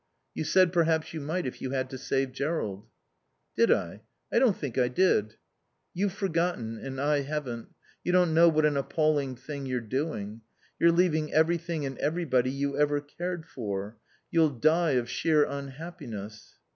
You said perhaps you might if you had to save Jerrold." "Did I? I don't think I did." "You've forgotten and I haven't. You don't know what an appalling thing you're doing. You're leaving everything and everybody you ever cared for. You'll die of sheer unhappiness."